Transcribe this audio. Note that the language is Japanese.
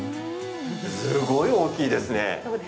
すごい大きいですね。